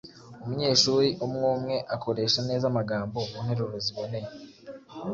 Umunyeshuri umwumwe akoresha neza amagambo mu nteruro ziboneye